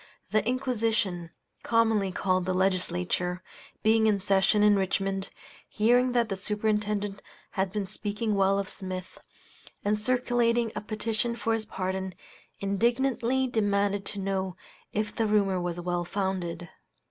The Inquisition (commonly called the Legislature), being in session in Richmond, hearing that the Superintendent had been speaking well of Smith, and circulating a petition for his pardon, indignantly demanded to know if the rumor was well founded.